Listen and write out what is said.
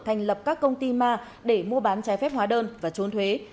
thành lập các công ty ma để mua bán trái phép hóa đơn và trốn thuế